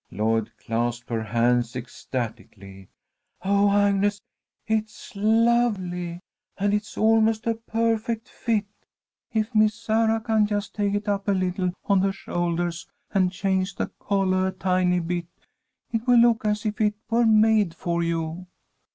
Lloyd clasped her hands ecstatically. "Oh, Agnes, it's lovely! And it's almost a perfect fit. If Miss Sarah can just take it up a little on the shouldahs, and change the collah a tiny bit, it will look as if it were made for you.